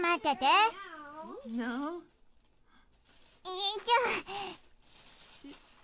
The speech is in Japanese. よいしょ。